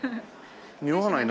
におわないな。